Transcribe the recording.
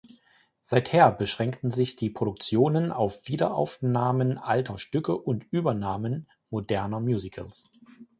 Seither beschränkten sich die Produktionen auf Wiederaufnahmen alter Stücke und Übernahmen moderner Musicals.